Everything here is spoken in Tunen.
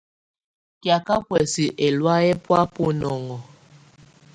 Kɛ̀áka buɛsɛ ɛlɔ̀áyɛ bɔá bunɔŋɔ.